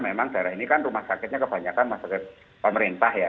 memang daerah ini kan rumah sakitnya kebanyakan rumah sakit pemerintah ya